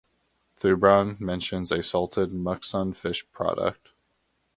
Thubron mentions a salted muksun fish product.